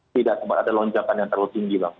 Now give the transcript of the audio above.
tidak sempat ada lonjakan yang terlalu tinggi bang